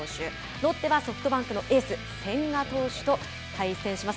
ロッテはソフトバンクのエース千賀投手と対戦します。